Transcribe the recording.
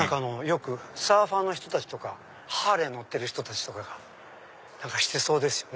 サーファーの人たちとかハーレー乗ってる人たちとかがしてそうですよね。